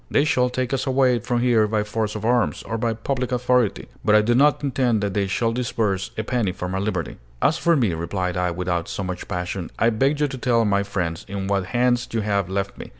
They shall take us away from here by force of arms, or by public authority, but I do not intend that they shall disburse a penny for my liberty." "As for me," replied I, without so much passion, "I beg you to tell my friends in what hands you have left me.